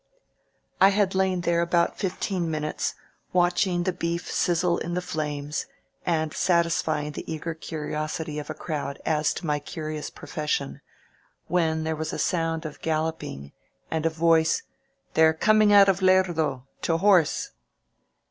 I had lain there about fifteen minutes, watching the beef sizzle in the flames and satisfying the eager curi osity of a crowd as to my curious profession, when there was a sound of galloping, and a voice, "They're coming out of Lerdo ! To horse